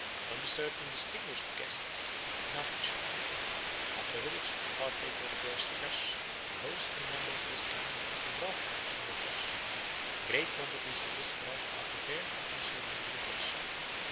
Only certain distinguished guests (Narch en) are privileged to partake of the bear's flesh, but the host and members of his clan eat a broth made from the flesh; great quantities of this broth are prepared and consumed on the occasion.